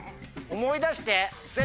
思い出して！